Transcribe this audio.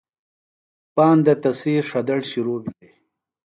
پاندہ تسی ݜدڑ شِرو بِھلیۡ۔